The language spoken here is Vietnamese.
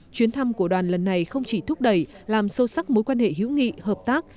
chuyến thăm của đoàn lần này không chỉ thúc đẩy làm sâu sắc mối quan hệ hữu nghị hợp tác